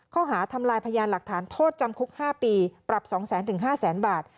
ข้อหาทำลายพยานหลักฐานโทษจำคุกห้าปีปรับสองแสนถึงห้าแสนบาท